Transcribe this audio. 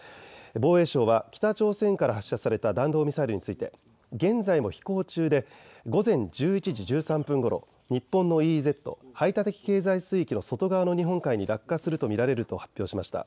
防衛省は北朝鮮から発射された弾道ミサイルについて現在も飛行中で午前１１時１３分ごろ、日本のＥＥＺ・排他的経済水域の外側の日本海に落下すると見られると発表しました。